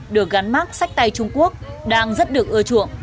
được gắn mát sách tay trung quốc đang rất được ưa chuộng